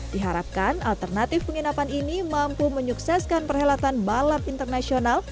diharapkan alternatif penginapan ini mampu menyukseskan perhelatan balap internasional